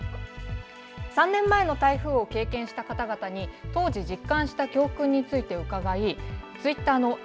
３年前の台風を経験した方々に当時実感した教訓について伺いツイッターの